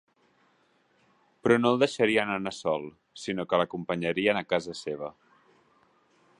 Però no el deixarien anar sol, sinó que l'acompanyarien a casa seva.